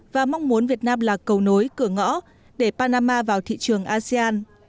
và mong muốn việt nam là cầu nối cửa ngõ để panama vào thị trường asean